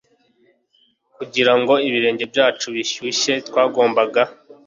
Kugira ngo ibirenge byacu bishyushye twagombaga